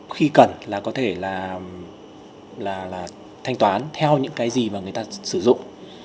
khi cần là có thể là thanh toán theo những cái gì mà người ta sử dụng